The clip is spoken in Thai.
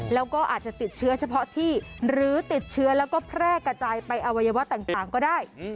แล้วก็อาจจะติดเชื้อเฉพาะที่หรือติดเชื้อแล้วก็แพร่กระจายไปอวัยวะต่างก็ได้